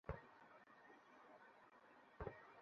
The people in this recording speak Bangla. খাবারের সময় হয়েছে!